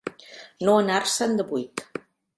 No anar-se'n de buit.